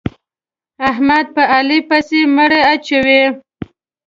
احمد په علي پسې مړه اچوي.